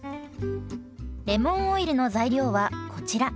レモンオイルの材料はこちら。